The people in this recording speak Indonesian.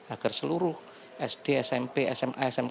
agar seluruh sd smp sma smk